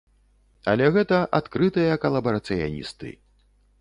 Але гэта адкрытыя калабарацыяністы.